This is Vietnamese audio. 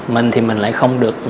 mình thì mình lại không được